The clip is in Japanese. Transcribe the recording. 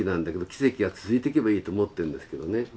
奇跡が続いていけばいいと思ってるんですけどね。